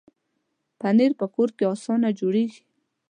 پنېر په کور کې اسانه جوړېږي.